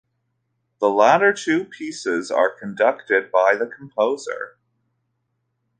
The latter two pieces are conducted by the composer.